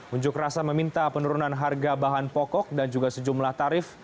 unjuk rasa meminta penurunan harga bahan pokok dan juga sejumlah tarif